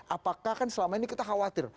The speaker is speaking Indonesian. apakah kan selama ini kita khawatir